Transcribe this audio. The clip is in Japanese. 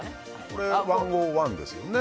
これ「１０１」ですよね